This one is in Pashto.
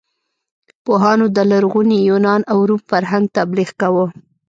پوهانو د لرغوني یونان او روم فرهنګ تبلیغ کاوه.